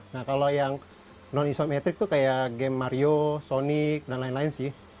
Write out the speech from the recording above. nah kalau yang non isometrik tuh kayak game mario sonic dan lain lain sih